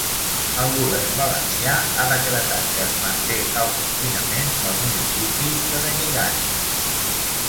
El Govern valencià ha decretat que es manté el confinament al municipi de Benigànim.